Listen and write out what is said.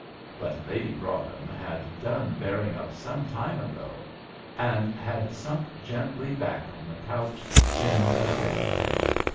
But Lady Broadhem had done bearing up some time ago, and had sunk gently back on the couch, in a dead faint.